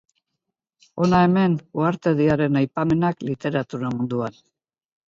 Hona hemen uhartediaren aipamenak literatura munduan.